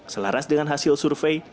selaras dengan hasil survei